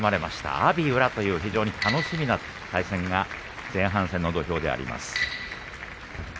阿炎、宇良という楽しみな対戦が前半戦の土俵であります。